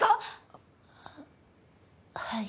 あっはい。